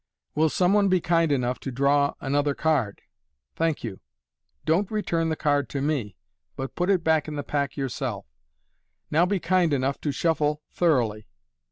Will some one be kind enough to draw ano ther card ? Thank you. Don't return the card to me, but put it back in the pack yourself. Now be kind enough to shuffle thoroughly.